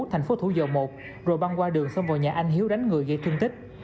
thành phố thủ dầu một rồi băng qua đường xông vào nhà anh hiếu đánh người gây thương tích